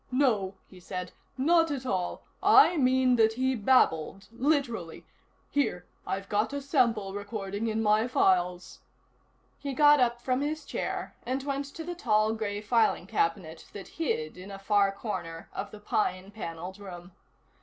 "No," he said. "Not at all. I mean that he babbled. Literally. Here: I've got a sample recording in my files." He got up from his chair and went to the tall gray filing cabinet that hid in a far corner of the pine paneled room.